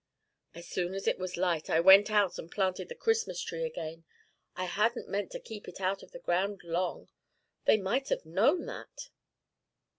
As soon as it was light, I went out and planted the Christmas tree again. I hadn't meant to keep it out of the ground long: they might have known that.'